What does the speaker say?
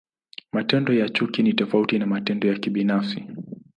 Matendo ya chuki ni tofauti na matendo ya kibinafsi.